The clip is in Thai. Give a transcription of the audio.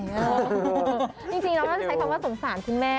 จริงเราก็จะใช้คำว่าสงสารคุณแม่